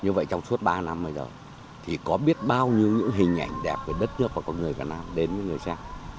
như vậy trong suốt ba năm bây giờ thì có biết bao nhiêu những hình ảnh đẹp của đất nước và người việt nam đến với người xã